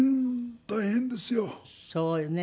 そうよね。